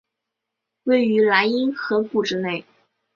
位于莱茵河谷之内。